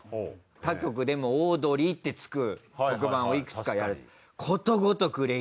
他局でもオードリーってつく特番をいくつか。